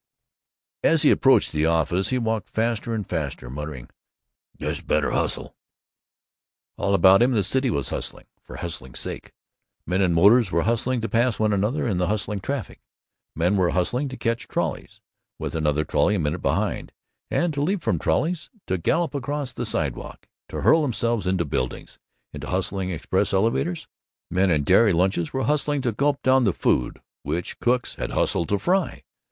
As he approached the office he walked faster and faster, muttering, "Guess better hustle." All about him the city was hustling, for hustling's sake. Men in motors were hustling to pass one another in the hustling traffic. Men were hustling to catch trolleys, with another trolley a minute behind, and to leap from the trolleys, to gallop across the sidewalk, to hurl themselves into buildings, into hustling express elevators. Men in dairy lunches were hustling to gulp down the food which cooks had hustled to fry.